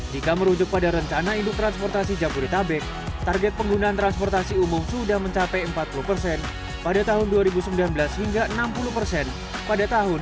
jika merujuk pada rencana induk transportasi jabodetabek target penggunaan transportasi umum sudah mencapai empat puluh persen pada tahun dua ribu sembilan belas hingga enam puluh persen pada tahun dua ribu dua puluh